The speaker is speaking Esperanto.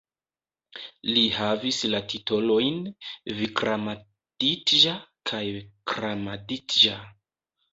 Li havis la titolojn "Vikramaditĝa" kaj "Kramaditĝa".